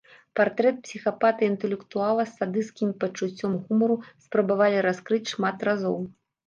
Партрэт псіхапата-інтэлектуала з садысцкім пачуццём гумару спрабавалі раскрыць шмат разоў.